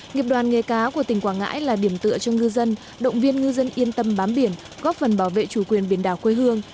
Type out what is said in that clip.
nghiệp đoàn nghề cá của tỉnh quảng ngãi là điểm tựa cho ngư dân động viên ngư dân yên tâm bám biển góp phần bảo vệ chủ quyền biển đảo quê hương